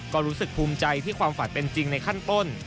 ก็รู้สึกภูมิใจที่ความฝันเป็นจริงในขั้นต้น